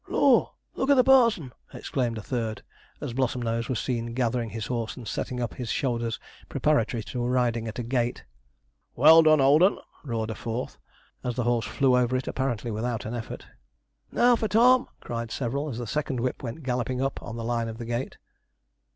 'Lor', look at the parson!' exclaimed a third, as Blossomnose was seen gathering his horse and setting up his shoulders preparatory to riding at a gate. 'Well done, old 'un!' roared a fourth, as the horse flew over it, apparently without an effort. 'Now for Tom!' cried several, as the second whip went galloping up on the line of the gate.